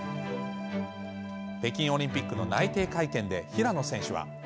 北京オリンピックの内定会見で、平野選手は。